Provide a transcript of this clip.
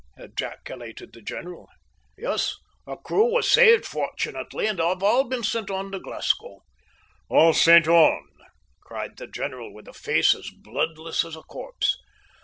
ejaculated the general. "Yes. Her crew were saved, fortunately, and have all been sent on to Glasgow." "All sent on!" cried the general, with a face as bloodless as a corpse.